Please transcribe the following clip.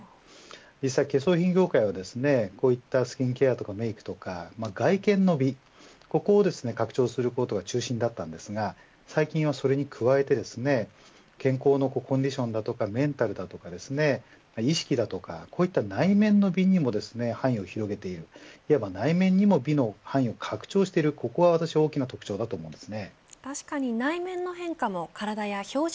実際、化粧品業界はこういったスキンケアとかメークとか外見の美、ここを拡張することが中心だったんですが最近はそれに加えて康のコンディションだとかメンタルだとか意識だとかこういった内面の美にも範囲を広げているいわば内面にも美の範囲を拡張していのが大きな特徴だと思います。